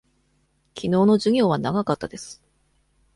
きのうの授業は長かったです。